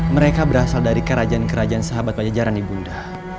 mereka berasal dari kerajaan kerajaan sahabat pajajaran di bunda